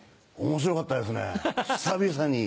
面白かったですね久々に。